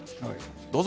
どうぞ。